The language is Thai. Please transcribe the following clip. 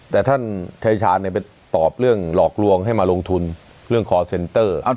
แต่ท่านชายชาญไปตอบเรื่องหลอกลวงให้มาลงทุนเรื่องคอร์เซ็นเตอร์